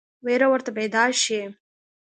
وېره ورته پیدا شي.